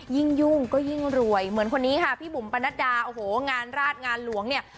ยุ่งก็ยิ่งรวยเหมือนคนนี้ค่ะพี่บุ๋มปนัดดาโอ้โหงานราชงานหลวงเนี่ย